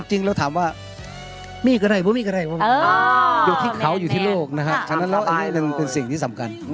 จริงแล้วถามว่ามีก็ได้บ้วนอยู่ที่เขาอยู่ที่โลกนะฮะแล้วนี่เป็นสิ่งที่สำคัญ